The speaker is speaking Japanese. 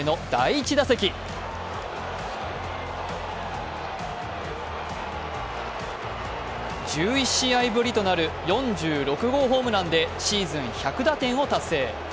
１１試合ぶりとなる４６号ホームランでシーズン１００打点を達成。